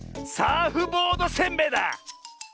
サーフボードせんべいだ！